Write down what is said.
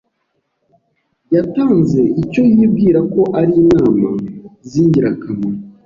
yatanze icyo yibwira ko ari inama zingirakamaro.